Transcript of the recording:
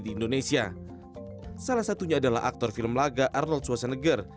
di indonesia salah satunya adalah aktor film laga arnold swaseneger